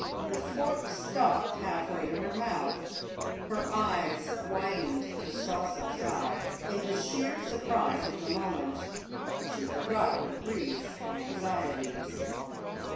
The fork stopped half way to her mouth; her eyes widened to saucer size. In the sheer surprise of the moment she forgot her grief and anxieties.